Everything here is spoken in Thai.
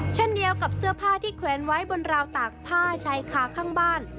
เช่นเดียวกับเสื้อผ้าที่แขวนไว้บนราวตากผ้าชายคาข้างบ้าน